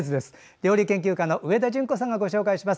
料理研究家の上田淳子さんがご紹介します。